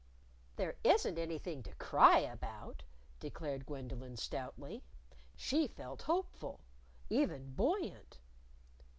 _" "There isn't anything to cry about," declared Gwendolyn, stoutly. She felt hopeful, even buoyant.